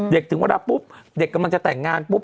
ถึงเวลาปุ๊บเด็กกำลังจะแต่งงานปุ๊บ